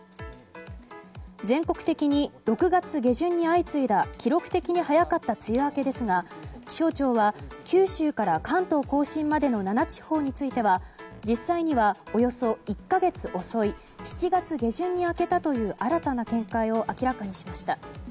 全国的に６月下旬に相次いだ記録的に早かった梅雨明けですが気象庁は九州から関東・甲信までの７地方については実際には、およそ１か月遅い７月下旬に明けたという新たな見解を明らかにしました。